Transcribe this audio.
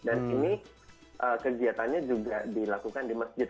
dan ini kegiatannya juga dilakukan di masjid